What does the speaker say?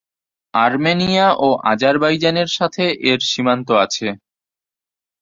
Armenia ও আজারবাইজানের সাথে এর সীমান্ত আছে।